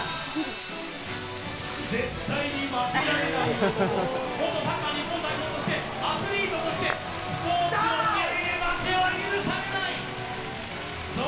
絶対に負けられない男、元サッカー日本代表としてアスリートとしてスポーツの試合で負けは許されない！